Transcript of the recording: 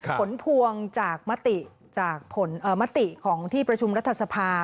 ผลพวงจากมัตติของที่ประชุมรัฐทศพา